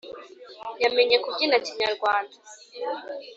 yamenye kubyina Kinyarwanda